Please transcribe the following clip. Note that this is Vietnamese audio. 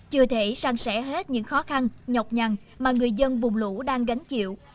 chưa thể sang sẻ hết những khó khăn nhọc nhằn mà người dân vùng lũ đang gánh chịu